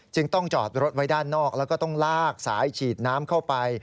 ต้องจอดรถไว้ด้านนอกแล้วก็ต้องลากสายฉีดน้ำเข้าไป